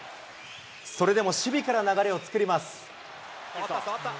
それでも守備から流れを作ります。